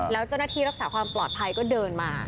แล้วเจ้าหน้าที่รักษาความปลอดภัยก็เดินมา